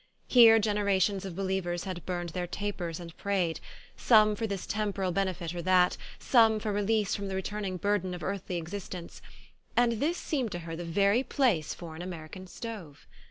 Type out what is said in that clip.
Here genera tions of believers had burned their tapers and prayed, some for this temporal benefit or that, some for release from the returning burden of earthly existence ; and this seemed to her the very place for an American stove.